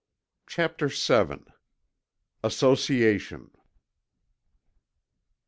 CHAPTER VII. ASSOCIATION.